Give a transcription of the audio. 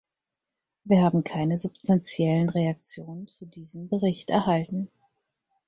Wir haben keine substanziellen Reaktionen zu diesem Bericht erhalten.